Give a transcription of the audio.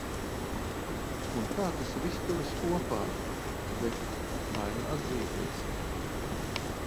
Un kā tas viss turas kopā. Bet - bail atzīties...